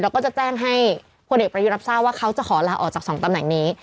แล้วก็จะแจ้งให้พลเอกประยุทธ์รับทราบว่าเขาจะขอลาออกจาก๒ตำแหน่งนี้